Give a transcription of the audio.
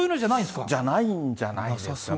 じゃないんじゃないですかね。